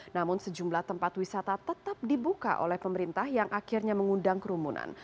namun sejumlah tempat wisata tetap dibuka oleh pemerintah yang akhirnya mengundang kerumunan